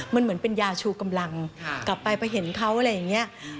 มันเหมือนเป็นยาชูกำลังกลับไปไปเห็นเขาอะไรอย่างนี้